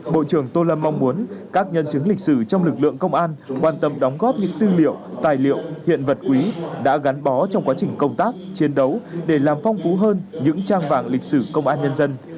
bộ trưởng tô lâm mong muốn các nhân chứng lịch sử trong lực lượng công an quan tâm đóng góp những tư liệu tài liệu hiện vật quý đã gắn bó trong quá trình công tác chiến đấu để làm phong phú hơn những trang vàng lịch sử công an nhân dân